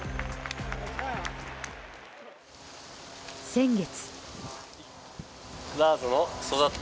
先月。